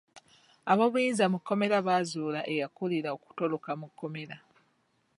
Ab'obuyinza mu kkomera baazuula eyakuulira okutoloka mu kkomera.